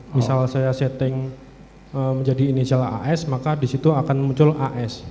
misal saya setting menjadi inisial as maka disitu akan muncul as